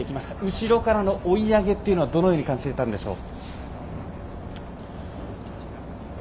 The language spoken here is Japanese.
後ろからの追い上げというのはどのように感じていたんでしょう。